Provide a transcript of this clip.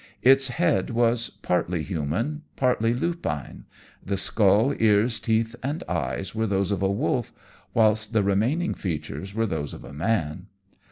Its head was partly human, partly lupine the skull, ears, teeth, and eyes were those of a wolf, whilst the remaining features were those of a man.